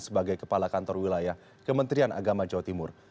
sebagai kepala kantor wilayah kementerian agama jawa timur